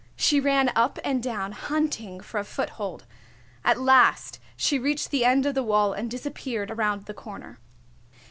She ran up and down, hunting for a foothold. At last she reached the end of the wall and disappeared around the corner.